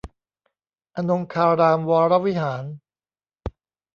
อนงคารามวรวิหาร